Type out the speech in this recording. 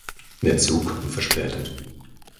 Der Zug kommt verspätet.